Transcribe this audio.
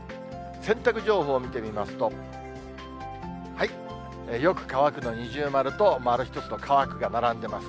洗濯情報を見てみますと、よく乾くの二重丸と、丸１つの乾くが並んでます。